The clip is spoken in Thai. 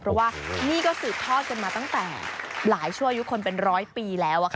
เพราะว่านี่ก็สืบทอดกันมาตั้งแต่หลายชั่วอายุคนเป็นร้อยปีแล้ว